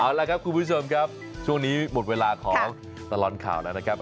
เอาละครับคุณผู้ชมครับช่วงนี้หมดเวลาของตลอดข่าวแล้วนะครับ